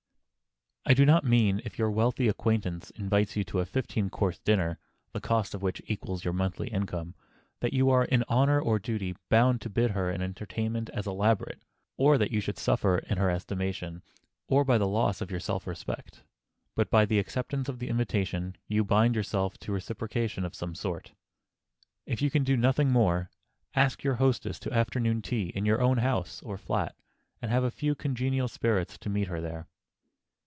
I do not mean if your wealthy acquaintance invites you to a fifteen course dinner, the cost of which equals your monthly income, that you are in honor or duty bound to bid her to an entertainment as elaborate, or that you suffer in her estimation, or by the loss of your self respect. But by the acceptance of the invitation you bind yourself to reciprocation of some sort. If you can do nothing more, ask your hostess to afternoon tea in your own house or flat, and have a few congenial spirits to meet her there.